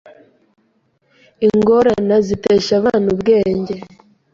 ingorana zitesha abana ubwenge,